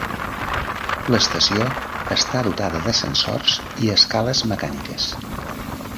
L'estació està dotada d'ascensors i escales mecàniques.